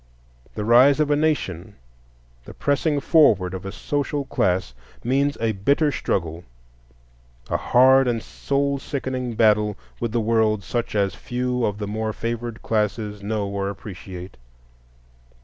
The rise of a nation, the pressing forward of a social class, means a bitter struggle, a hard and soul sickening battle with the world such as few of the more favored classes know or appreciate.